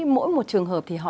mỗi một trường hợp thì họ